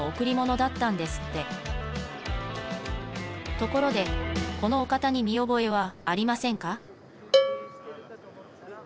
ところでこのお方に見覚えはありませんか？